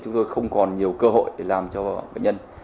chúng tôi không còn nhiều cơ hội để làm cho bệnh nhân